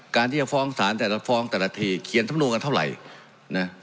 การที่จะฟ้องสารแต่ละฟ้องแต่ละทีเขียนสำนวนกันเท่าไหร่นะ